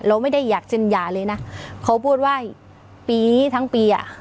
เราไม่ได้อยากเซ็นหย่าเลยนะเขาพูดว่าปีนี้ทั้งปีอ่ะ